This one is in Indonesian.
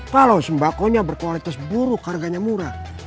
kalau sembakonya berkualitas buruk harganya murah